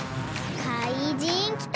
かいじんきた！